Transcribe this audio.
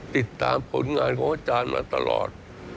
ติดตามผลงานของอาจารย์มาตลอด